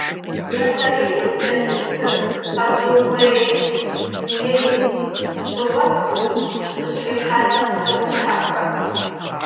Япэрейр кӀэлъыплъырт къэзыухъуреихь дунейм, щӀыуэпсым зыщрихьэлӀэ псэущхьэхэм.